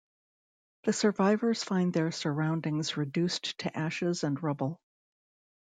The survivors find their surroundings reduced to ashes and rubble.